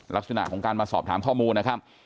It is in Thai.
ลักษณะของการมาสอบถามข้อมูลนะครับ